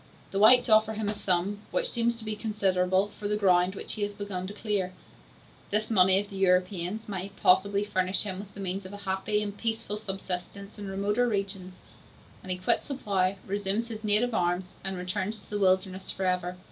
The whites offer him a sum, which seems to him to be considerable, for the ground which he has begun to clear. This money of the Europeans may possibly furnish him with the means of a happy and peaceful subsistence in remoter regions; and he quits the plough, resumes his native arms, and returns to the wilderness forever.